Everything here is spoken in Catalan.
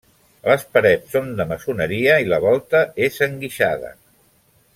Les parets són de maçoneria i la volta és enguixada.